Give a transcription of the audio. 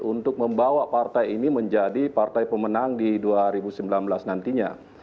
untuk membawa partai ini menjadi partai pemenang di dua ribu sembilan belas nantinya